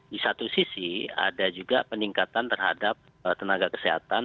di satu sisi ada juga peningkatan terhadap tenaga kesehatan